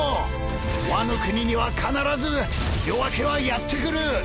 ワノ国には必ず夜明けはやって来る。